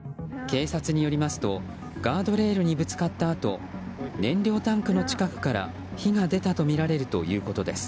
警察によりますとガードレールにぶつかったあと燃料タンクの近くから火が出たとみられるということです。